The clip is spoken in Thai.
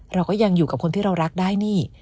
เราก็ยังอยู่กับคนที่เรารักได้นี่